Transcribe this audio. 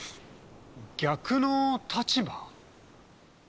逆の立場？